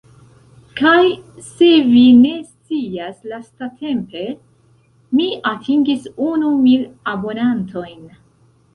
Kaj se vi ne scias lastatempe mi atingis unu mil abonantojn.